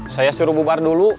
saya suruh bubar dulu